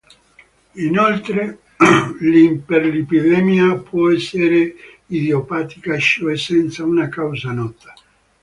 Inoltre, l'iperlipidemia può essere idiopatica, cioè senza una causa nota.